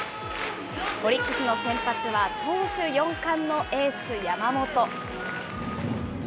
オリックスの先発は投手４冠のエース、山本。